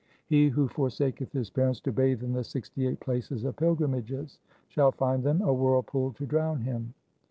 He who forsaketh his parents to bathe in the sixty eight places of pilgrimages, shall find them a whirlpool to drown him.